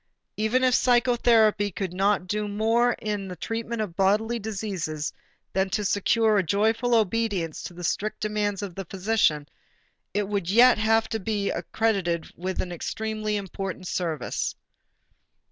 Even if psychotherapy could not do more in the treatment of bodily diseases than to secure a joyful obedience to the strict demands of the physician, it would yet have to be accredited with an extremely important service.